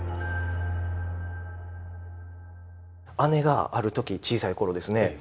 姉がある時小さい頃ですね